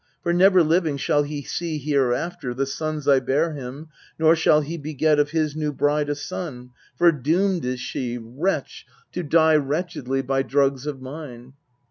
never living shall he see hereafter The sons I hare him, nor shall he beget Of his new bride a son, for douined is she, MEDEA 269 Wretch, to die wretchedly by drugs of mine.